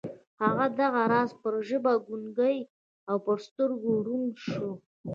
هغه دغه راز پر ژبه ګونګۍ او پر سترګو ړنده شوه